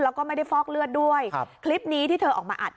แล้วก็ไม่ได้ฟอกเลือดด้วยครับคลิปนี้ที่เธอออกมาอัด